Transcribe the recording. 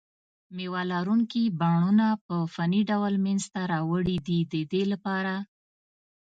مېوه لرونکي بڼونه په فني ډول منځته راوړي دي د دې لپاره.